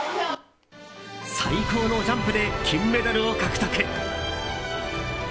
最高のジャンプで金メダルを獲得。